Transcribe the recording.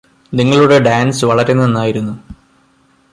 നിങ്ങളുടെ ഡാൻസ് വളരെ നന്നായിരുന്നു